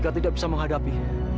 kalau tidak menghadapi